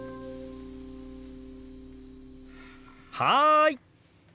はい！